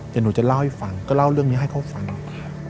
เดี๋ยวหนูจะเล่าให้ฟังก็เล่าเรื่องนี้ให้เขาฟัง